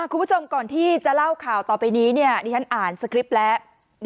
คุณผู้ชมก่อนที่จะเล่าข่าวต่อไปนี้ดิฉันอ่านสคริปต์แล้ว